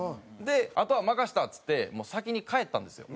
「あとは任せた」っつって先に帰ったんですよ。